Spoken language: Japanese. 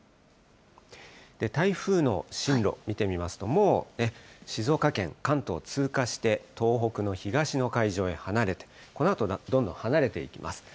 台風の進路、見てみますともうね、静岡県、関東通過して、東北の東の海上へ離れて、このあとどんどん離れていきます。